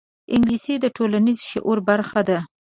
انګلیسي د ټولنیز شعور برخه ده